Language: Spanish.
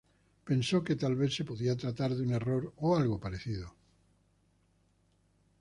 Pensó que tal vez se podía tratar de un error o algo parecido.